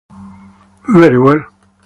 Very well.